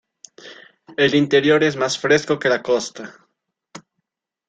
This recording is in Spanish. El interior es más fresco que la costa.